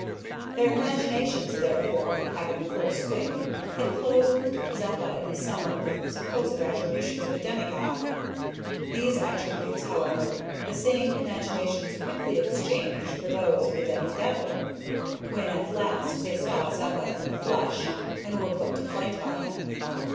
Their imaginations, therefore, having full swing, had clothed Zeppa in some of the supposed attributes of a demigod. These attributes, however, the same imaginations quickly exchanged for those of a demi devil, when at last they saw Zeppa in the flesh, and were put to flight by him.